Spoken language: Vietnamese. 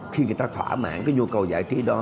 khi người ta thỏa mãn cái nhu cầu giải trí đó